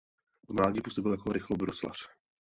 V mládí působil jako rychlobruslař.